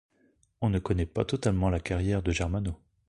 On ne connais pas totalement la carrière de Germano.